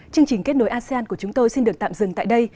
chương trình kết nối asean của chúng tôi xin được tạm dừng tại đây